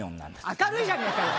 明るいじゃねえかよ